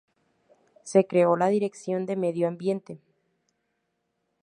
Se creó la Dirección de Medio Ambiente.